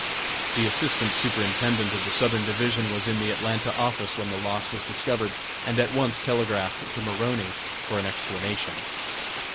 The Assistant Superintendent of the Southern Division was in the Atlanta office when the loss was discovered, and at once telegraphed to Maroney for an explanation.